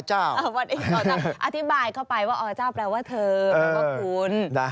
อเจ้าอธิบายเข้าไปว่าอเจ้าแปลว่าเธอแล้วก็คุณ